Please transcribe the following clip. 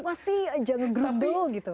masih jangan gerudul gitu